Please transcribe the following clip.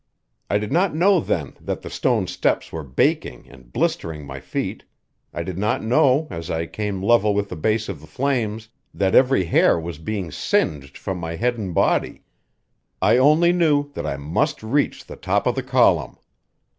I did not know then that the stone steps were baking and blistering my feet; I did not know, as I came level with the base of the flames, that every hair was being singed from my head and body I only knew that I must reach the top of the column.